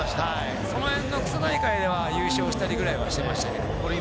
その辺の草大会では優勝したりはしてましたね。